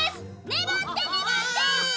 ねばってねばって！